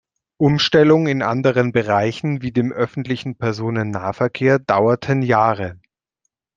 Umstellungen in anderen Bereichen wie dem öffentlichen Personennahverkehr dauerten Jahre.